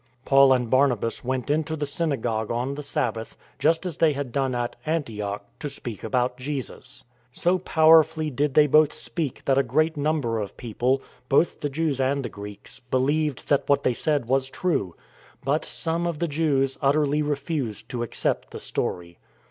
Paul and Barnabas went into the synagogue on the Sabbath, just as they had done at Antioch, to speak about Jesus. So powerfully did they both speak that a great number of people — both the Jews and the Greeks — beheved that what they said was true. But some of the Jews utterly refused to accept the story.